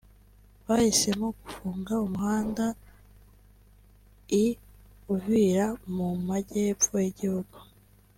bahisemo gufunga umuhanda i Uvira mu Majyepfo y’igihugu